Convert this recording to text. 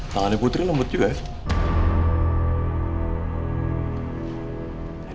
tangan putri lembut juga ya